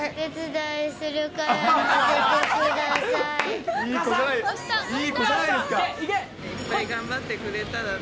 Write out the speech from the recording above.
いっぱい頑張ってくれたらね。